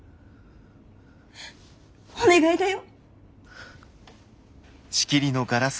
お願いだよ？